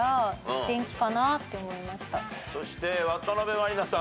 そして渡辺満里奈さん